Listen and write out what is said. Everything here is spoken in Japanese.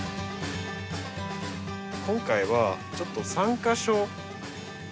今回はちょっと３か所。